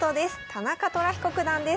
田中寅彦九段です。